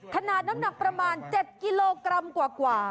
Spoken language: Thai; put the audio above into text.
น้ำหนักประมาณ๗กิโลกรัมกว่า